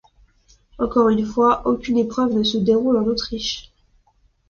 Encore une fois aucune épreuve ne se déroule en Autriche.